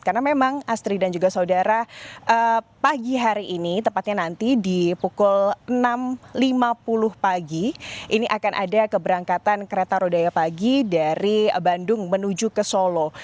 karena memang asri dan juga saudara pagi hari ini tepatnya nanti di pukul enam lima puluh pagi ini akan ada keberangkatan kereta rodaya pagi dari bandung menuju ke solo